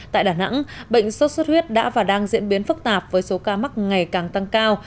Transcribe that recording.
tại đà nẵng bệnh sốt xuất huyết đã và đang diễn biến phức tạp với số ca mắc ngày càng tăng cao